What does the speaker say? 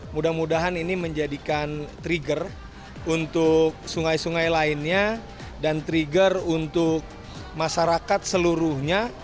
mudah mudahan ini menjadikan trigger untuk sungai sungai lainnya dan trigger untuk masyarakat seluruhnya